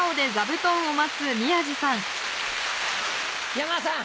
山田さん。